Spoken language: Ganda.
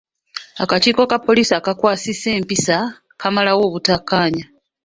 Akakiiko ka poliisi akakwasisa empisa kaamalawo obutakkaanya.